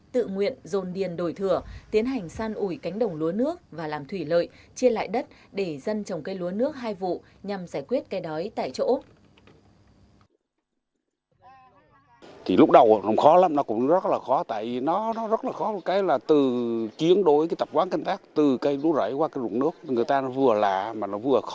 tự nguyện dồn điền đổi thửa tiến hành săn ủi cánh đồng lúa nước và làm thủy lợi chia lại đất để dân trồng cây lúa nước hai vụ nhằm giải quyết cây đói tại chỗ